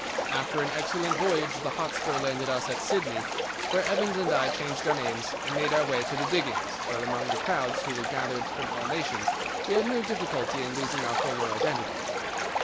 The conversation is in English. After an excellent voyage the Hotspur landed us at Sydney, where Evans and I changed our names and made our way to the diggings, where, among the crowds who were gathered from all nations, we had no difficulty in losing our former identities.